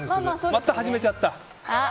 また始めちゃった。